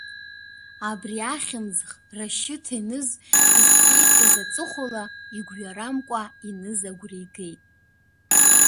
Абри ахьымӡӷ Рашьыҭ Еныз дызҭеиҵаз аҵыхәала, игәҩарамкәа Еныз агәра игеит.